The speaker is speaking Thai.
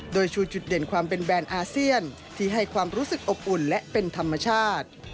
โดยชูจุดเด่นความเป็นแบรนด์อาเซียนที่ให้ความรู้สึกอบอุ่นและเป็นธรรมชาติ